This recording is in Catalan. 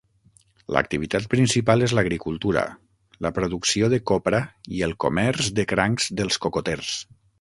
L'activitat principal és l'agricultura, la producció de copra i el comerç de crancs dels cocoters.